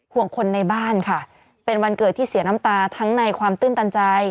ห่วงคนในบ้านค่ะเป็นวันเกิดที่เสียน้ำตาทั้งในความตื้นตันใจ